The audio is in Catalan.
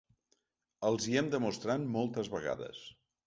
Els hi hem demostrat moltes vegades.